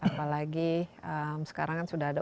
apalagi sekarang kan sudah ada